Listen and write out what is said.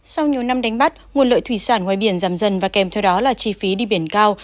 sau nhiều năm đánh bắt nguồn lợi thủy sản ngoài biển giảm dần và kèm theo đó là chi phí đi biển cao